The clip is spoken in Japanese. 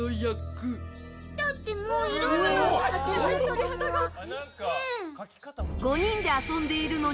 だって、もういるもの